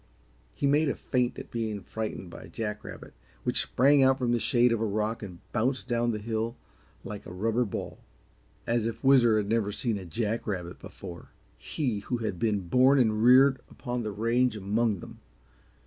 He made a feint at being frightened by a jack rabbit which sprang out from the shade of a rock and bounced down the hill like a rubber ball. As if Whizzer had never seen a jack rabbit before! he who had been born and reared upon the range among them!